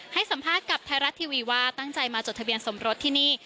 ให้สัมภาษณ์กับไทยรัฐทีวีว่าตั้งใจมาจดทะเบียนสมรสที่นี่